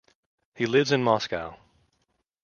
He lives in Moscow.